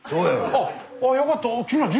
あっあよかった。